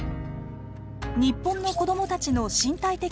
日本の子どもたちの身体的